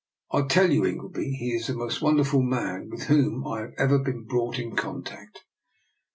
I tell you, Ingleby, he is the most wonderful man with whom I have ever been brought in contact.